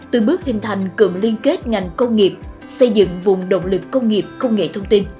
từ bước hình thành cụm liên kết ngành công nghiệp xây dựng vùng động lực công nghiệp công nghệ thông tin